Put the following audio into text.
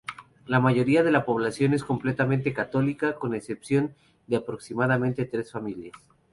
La mayoría de la población es completamente católica con excepción de aproximadamente tres familias.